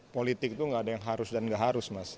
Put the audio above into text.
politik itu gak ada yang harus dan nggak harus mas